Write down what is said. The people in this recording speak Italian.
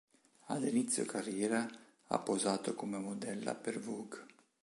Ad inizio carriera ha posato come modella per "Vogue".